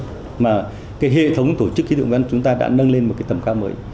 nhưng mà hệ thống tổ chức khí tượng thủy văn chúng ta đã nâng lên một tầm cao mới